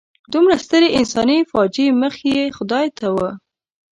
دومره سترې انساني فاجعې مخ یې خدای ته و.